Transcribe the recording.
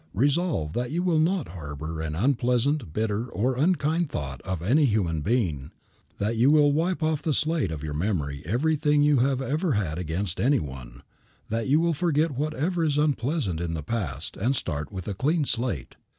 Resolve that you will not harbor an unpleasant, bitter or unkind thought of any human being, that you will wipe off the slate of your memory everything you have ever had against any one; that you will forget whatever is unpleasant in the past and start with a clean slate.